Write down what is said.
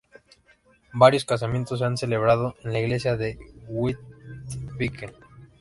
Varios casamientos se han celebrado en la iglesia de Grytviken.